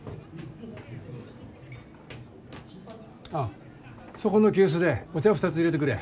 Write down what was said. あっそこの急須でお茶２つ入れてくれ。